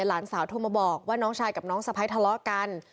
หลานสาวโทรมาบอกว่าน้องชายกับน้องสะพ้ายทะเลาะกัน